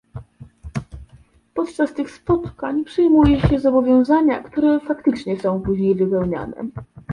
Podczas tych spotkań przyjmuje się zobowiązania, które faktycznie są później wypełniane